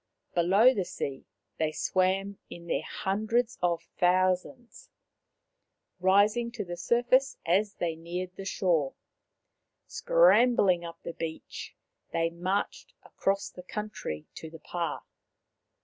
Below the sea they swam in their hundreds of thousands, rising to the surface as they neared the shore. 1 70 Maoriland Fairy Tales Scrambling up the beach, they marched across the country to the pah.'